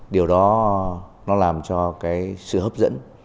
điều đó nó làm cho cái sự hấp dẫn